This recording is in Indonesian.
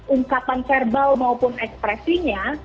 ungkapan verbal maupun ekspresinya